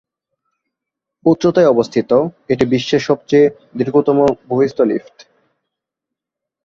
উচ্চতায় অবস্থিত, এটি বিশ্বের সবচেয়ে দীর্ঘতম বহিঃস্থ লিফট।